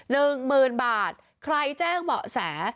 ๑หมื่นบาทใครแจ้งเหมาะแส